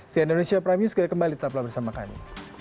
sian indonesia prime news kembali tetap bersama kami